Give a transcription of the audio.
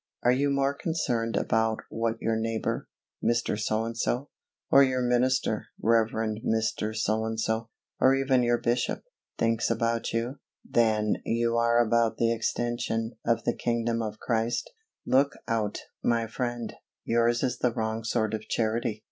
Are you more concerned about what your neighbor, Mr. So and So, or your minister, Rev. Mr. So and So, or even your bishop, thinks about you, than you are about the extension of the kingdom of Christ? Look out, my friend, yours is the wrong sort of Charity.